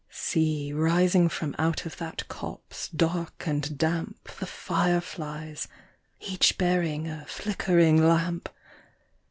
See, rising from out of that copse, dark and damp, The fire flies, each bearing a flickering lamp!